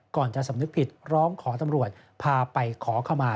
จะสำนึกผิดร้องขอตำรวจพาไปขอขมา